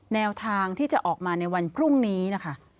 แนวทางที่จะออกมาในวันพรุ่งนี้นะคะ